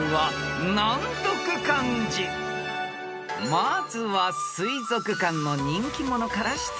［まずは水族館の人気者から出題］